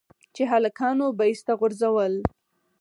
چې هلکانو به ايسته غورځول.